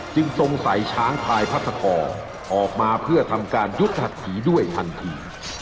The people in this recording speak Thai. จึงทรงสายช้างพลายพัทธกอร์ออกมาเพื่อทำการยุทธหัสถีด้วยทันที